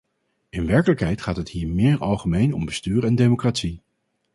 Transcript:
In werkelijkheid gaat het hier meer algemeen om bestuur en democratie.